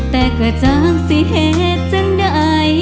แต่กระจังสิเหตุจังใด